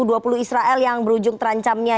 u dua puluh israel yang berujung terancamnya